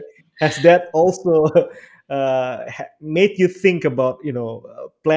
tentang menjanjikan ke depan